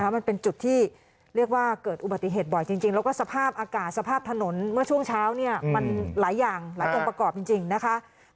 มันเป็นจุดที่เรียกว่าเกิดอุบัติเหตุบ่อยจริงแล้วก็สภาพอากาศสภาพถนนเมื่อช่วงเช้าเนี่ยมันหลายอย่างหลายองค์ประกอบจริงนะคะ